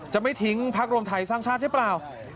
จะไม่ทิ้งพักรวมไทยสร้างชาติใช่เปล่า